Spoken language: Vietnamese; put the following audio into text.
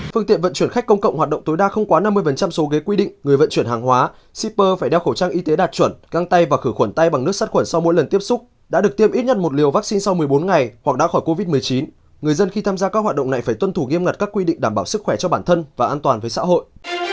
phương tiện vận chuyển khách công cộng hoạt động tối đa không quá năm mươi số ghế quy định người vận chuyển hàng hóa shipper phải đeo khẩu trang y tế đạt chuẩn găng tay và khử khuẩn tay bằng nước sát khuẩn sau mỗi lần tiếp xúc đã được tiêm ít nhất một liều vaccine sau một mươi bốn ngày hoặc đã khỏi covid một mươi chín người dân khi tham gia các hoạt động này phải tuân thủ nghiêm ngặt các quy định đảm bảo sức khỏe cho bản thân và an toàn với xã hội